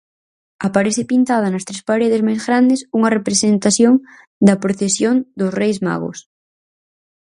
Aparece pintada nas tres paredes máis grandes unha representación da "Procesión dos" "reis Magos.